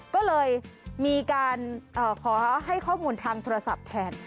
ก็เลยมีการขอให้ข้อมูลทางโทรศัพท์แทน